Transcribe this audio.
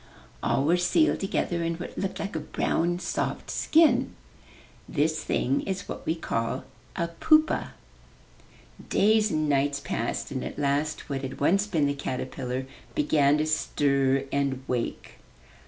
All were sealed together in what looked like a brown, soft skin. This thing was what we call a pupa. Days and nights passed and at last what had once been the caterpillar began to stir and wake.